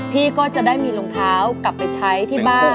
พี่ก็จะได้มีรองเท้ากลับไปใช้ที่บ้าน